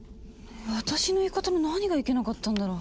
私の言い方の何がいけなかったんだろう？